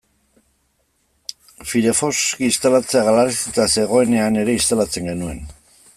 Firefox instalatzea galarazita zegoenean ere instalatzen genuen.